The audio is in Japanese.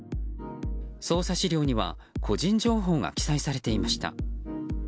捜査資料には個人情報が記載されていました。